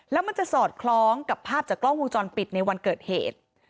แล้วมันจะสอดคล้องกับภาพจากกล้องวงจรปิดในวันเกิดเหตุ